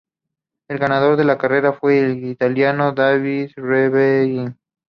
El ganador de la carrera fue el Italiano Davide Rebellin.